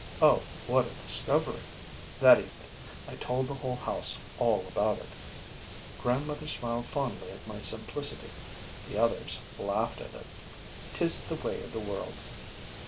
Oh, what a discovery! That evening, I told the whole house all about it. Grandmother smiled fondly at my simplicity: the others laughed at it. 'Tis the way of the world.